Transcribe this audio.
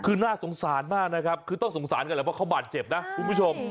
คือน่าสงสารมากนะครับคือต้องสงสารกันแหละเพราะเขาบาดเจ็บนะคุณผู้ชม